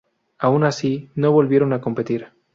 Aun así, no volvieron a competir.